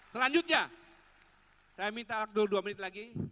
selanjutnya saya minta waktu dua menit lagi